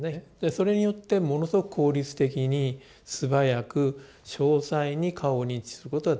それによってものすごく効率的に素早く詳細に顔を認知することができると。